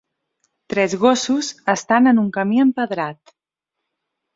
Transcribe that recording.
Tres gossos estan en un camí empedrat.